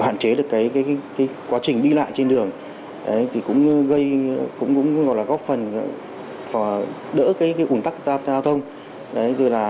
hạn chế được quá trình đi lại trên đường cũng góp phần đỡ ủng tắc tạp thông